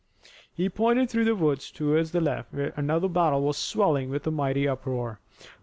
He pointed through the woods toward the left where another battle was swelling with a mighty uproar.